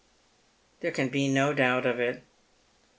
" There can be no doubt of it.